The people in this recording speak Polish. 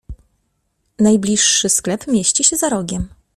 Najbliższy sklep mieści się za rogiem.